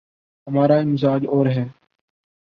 ہمارامزاج اور ہے۔